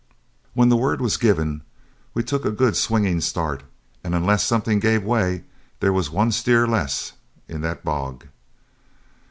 When the word was given, we took a good swinging start, and unless something gave way there was one steer less in the hog.